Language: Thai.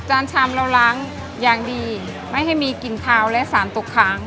ชำเราล้างอย่างดีไม่ให้มีกลิ่นคาวและสารตกค้าง